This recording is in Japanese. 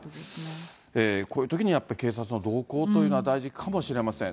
こういうときにやっぱり警察の同行というのは大事かもしれません。